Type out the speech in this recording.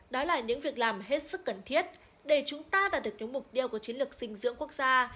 đó là những việc làm hết sức cần thiết để chúng ta đạt được những mục tiêu của chiến lược dinh dưỡng quốc gia